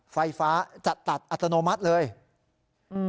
ไฟฟ้าจะตัดอัตโนมัติเลยอืม